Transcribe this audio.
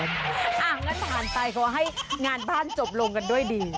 งั้นผ่านไปขอให้งานบ้านจบลงกันด้วยดี